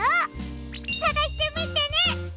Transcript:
さがしてみてね！